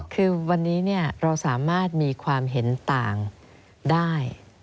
คือวันนี้เราสามารถมีความเห็นต่างได้